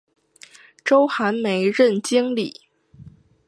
周寒梅任经理。